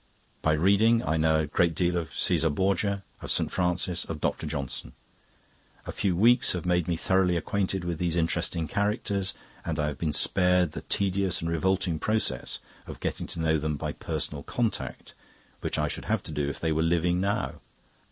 By reading I know a great deal of Caesar Borgia, of St. Francis, of Dr. Johnson; a few weeks have made me thoroughly acquainted with these interesting characters, and I have been spared the tedious and revolting process of getting to know them by personal contact, which I should have to do if they were living now.